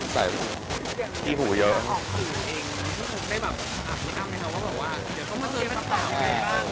ใส่ที่หูเยอะ